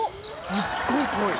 「すっごい遠い！」